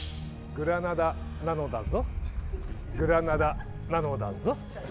グラナダなのだぞ。